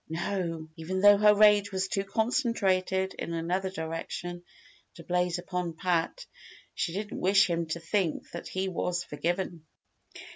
No! even though her rage was too concentrated in another direction to blaze upon Pat, she didn't wish him to think that he was forgiven.